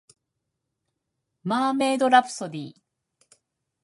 マーメイドラプソディ